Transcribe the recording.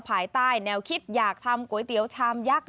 ภายใต้แนวคิดอยากทำก๋วยเตี๋ยวชามยักษ์